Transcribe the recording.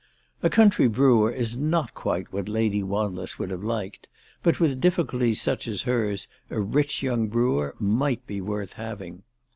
A country brewer is not quite what Lady Wanless would have liked ; but with difficulties such as hers a rich young brewer might be worth having.